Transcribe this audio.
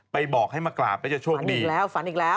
บอกให้มากราบแล้วจะโชคดีอีกแล้วฝันอีกแล้ว